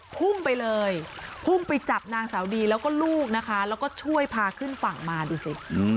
พุ่งไปเลยพุ่งไปจับนางสาวดีแล้วก็ลูกนะคะแล้วก็ช่วยพาขึ้นฝั่งมาดูสิ